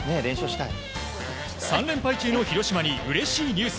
３連敗中の広島にうれしいニュース。